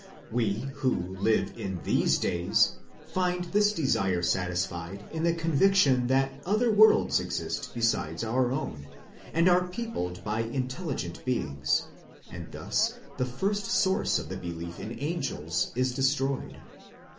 We who live in these days find this desire satisfied in the conviction that other worlds exist besides our own, and are peopled by intelligent beings ; and thus the first source of the belief in angels is destroyed.